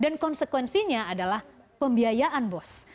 dan konsekuensinya adalah pembiayaan bos